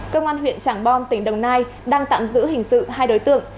công an huyện trảng bom tỉnh đồng nai đang tạm giữ hình sự hai đối tượng